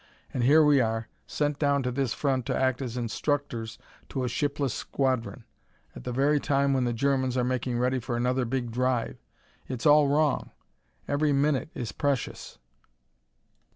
And here we are, sent down to this front to act as instructors to a shipless squadron, at the very time when the Germans are making ready for another big drive. It's all wrong. Every minute is precious."